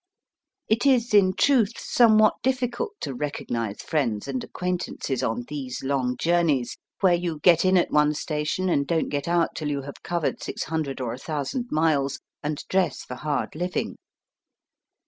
It is, in truth, somewhat difl&cult to re cognize friends and acquaintances on these long journeys, where you get in at one station and don't get out till you have covered six hundred or a thousand miles, and dress for hard living.